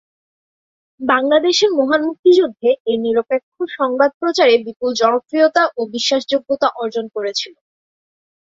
বাংলাদেশের মহান মুক্তিযুদ্ধে এর নিরপেক্ষ সংবাদ প্রচারে বিপুল জনপ্রিয়তা ও বিশ্বাসযোগ্যতা অর্জন করেছিল।